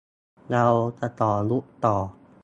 เรา จะขอยุบต่อ